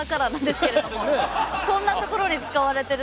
そんなところに使われてるとは。